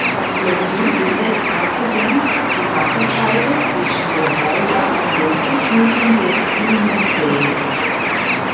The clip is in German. Das Plateau bildet außerdem die Wasserscheide zwischen der Wolga und den Zuflüssen des Ilmensees.